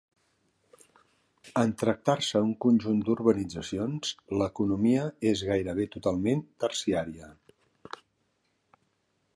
En tractar-se un conjunt d'urbanitzacions, l'economia és gairebé totalment terciària.